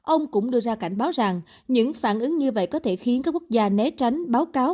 ông cũng đưa ra cảnh báo rằng những phản ứng như vậy có thể khiến các quốc gia né tránh báo cáo